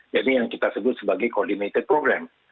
jadi yang kita sebut sebagai koordinatif program